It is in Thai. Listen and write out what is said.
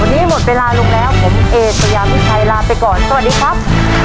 วันนี้หมดเวลาลงแล้วผมเอเชยามิชัยลาไปก่อนสวัสดีครับ